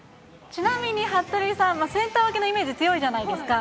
ちなみに、はっとりさん、センター分けのイメージ強いじゃないですか。